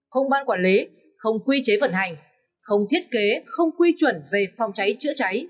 không ban quản lý không quy chế vận hành không thiết kế không quy chuẩn về phòng cháy chữa cháy